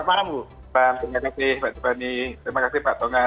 selamat malam terima kasih pak dipan terima kasih pak togam